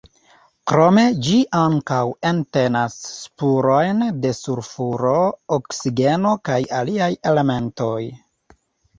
Krome ĝi ankaŭ entenas spurojn de sulfuro, oksigeno kaj aliaj elementoj.